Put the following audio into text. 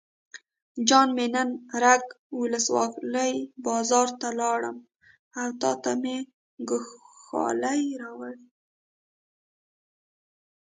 جان مې نن رګ ولسوالۍ بازار ته لاړم او تاته مې ګوښالي راوړې.